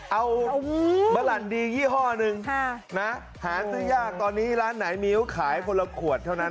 เอาบะหลั่นดียี่ห้อหนึ่งหาซื้อยากตอนนี้ร้านไหนมิ้วขายคนละขวดเท่านั้น